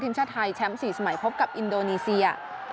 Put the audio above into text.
ทีมชาติไทยแชมป์๔สมัยพบกับอินโดนีเซีย